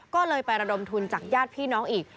ก็เลยไประดมทุนจากญาติพี่น้องอีก